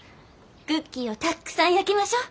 クッキーをたくさん焼きましょう！